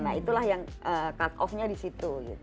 nah itulah yang cut off nya di situ